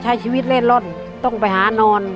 ใช้ชีวิตเล่นร่อนต้องไปหานอน